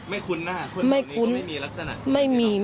ไม่คุ้นนะคนบ้านนี้ก็ไม่มีลักษณะ